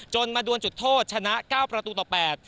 มาดวนจุดโทษชนะ๙ประตูต่อ๘